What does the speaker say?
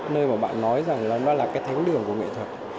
nơi mà bạn nói rằng nó là cái thánh đường của nghệ thuật